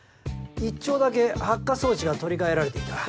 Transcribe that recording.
１挺だけ発火装置が取り替えられていた。